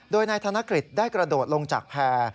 โดยนายธนกฤษได้กระโดดลงจากแพร่